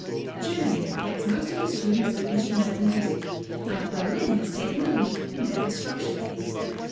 Gerntany gets most of the students of instrumental music, and Berlin has taken the lead in their instruction.